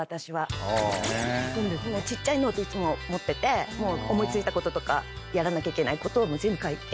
ちっちゃいノートいつも持ってて思い付いたこととかやらなきゃいけないことを全部書いて。